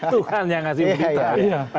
tuhan yang ngasih berita